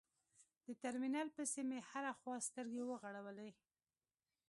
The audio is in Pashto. د ترمینل پسې مې هره خوا سترګې وغړولې.